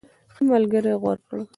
ښه ملګری غوره کړه.